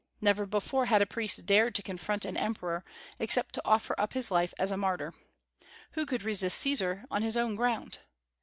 Never before had a priest dared to confront an emperor, except to offer up his life as a martyr. Who could resist Caesar on his own ground?